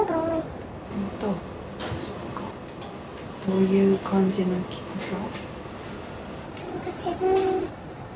どういう感じのきつさ？